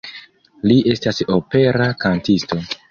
Li estas opera kantisto.